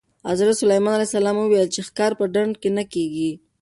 حضرت سلیمان علیه السلام وویل چې ښکار په ډنډ کې نه کېږي.